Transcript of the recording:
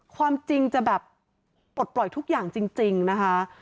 ความจริงจะแบบปลดปล่อยทุกอย่างจริงนะคะ